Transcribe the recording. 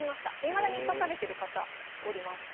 いまだに指されてる方おります。